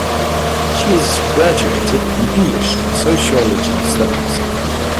She is graduated in English and Sociology Studies.